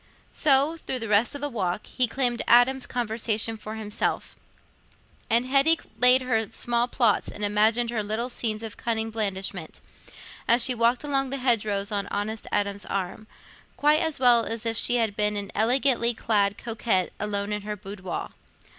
So, through the rest of the walk, he claimed Adam's conversation for himself, and Hetty laid her small plots and imagined her little scenes of cunning blandishment, as she walked along by the hedgerows on honest Adam's arm, quite as well as if she had been an elegantly clad coquette alone in her boudoir.